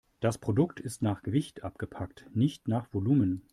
Das Produkt ist nach Gewicht abgepackt, nicht nach Volumen.